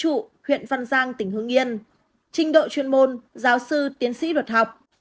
trụ huyện văn giang tỉnh hương yên trình độ chuyên môn giáo sư tiến sĩ luật học